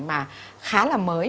mà khá là mới